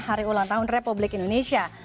hari ulang tahun republik indonesia